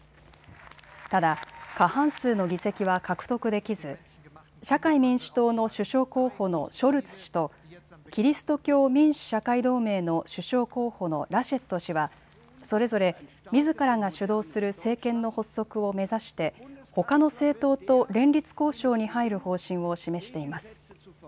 ただ、過半数の議席は獲得できず社会民主党の首相候補のショルツ氏とキリスト教民主・社会同盟の首相候補のラシェット氏はそれぞれ、みずからが主導する政権の発足を目指してほかの政党と連立交渉に入る方針を示しています。